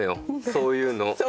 そういうの。